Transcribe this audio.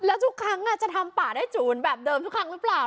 แล้วทุกครั้งจะทำป่าได้จูนแบบเดิมทุกครั้งหรือเปล่า